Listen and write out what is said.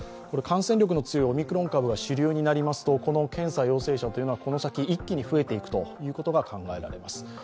感染力の強いオミクロン株が主流となりますとこの検査陽性者はこの先、一気に増えていくことが考えられます。